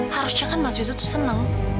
harusnya kan mas wisto tuh seneng